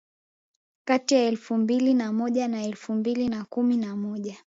kati ya elfu mbili na moja na elfu mbili na kumi na moja